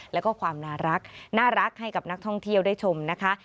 แล้วก็ความน่ารักให้กับนักท่องเที่ยวได้ชมนะคะ